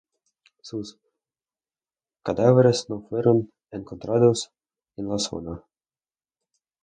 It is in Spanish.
Sus cadáveres no fueron encontrados en la zona.